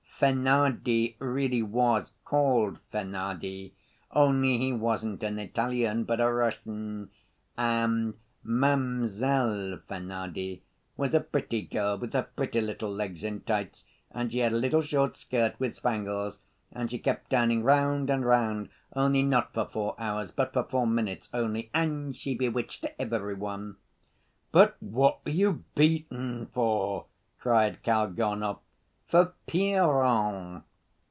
Fenardi really was called Fenardi, only he wasn't an Italian but a Russian, and Mamsel Fenardi was a pretty girl with her pretty little legs in tights, and she had a little short skirt with spangles, and she kept turning round and round, only not for four hours but for four minutes only, and she bewitched every one..." "But what were you beaten for?" cried Kalganov. "For Piron!"